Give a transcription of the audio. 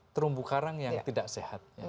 terumbu karang yang tidak sehat